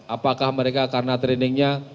apakah mereka karena trainingnya